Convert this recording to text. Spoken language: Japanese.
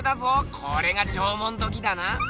これが縄文土器だな？